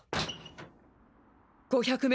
５００ｍ